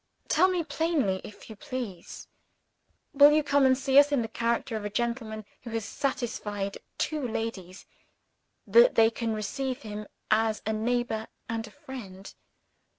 Tell me plainly, if you please. Will you come and see us, in the character of a gentleman who has satisfied two ladies that they can receive him as a neighbor and a friend?